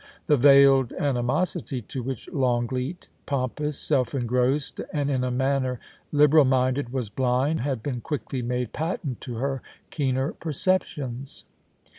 The veiled animosity to which Longleat, pompous, self engrossed, and in a manner liberal minded, was blind, had been quickly made patent to her keener perceptions.